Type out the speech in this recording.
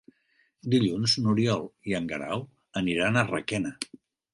Dilluns n'Oriol i en Guerau aniran a Requena.